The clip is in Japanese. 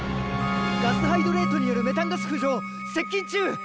ガスハイドレートによるメタンガス浮上接近中！